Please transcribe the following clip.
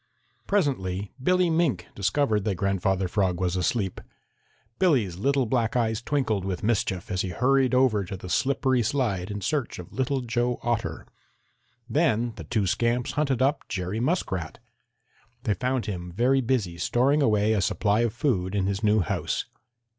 Presently Billy Mink discovered that Grandfather Frog was asleep. Billy's little black eyes twinkled with mischief as he hurried over to the slippery slide in search of Little Joe Otter. Then the two scamps hunted up Jerry Muskrat. They found him very busy storing away a supply of food in his new house.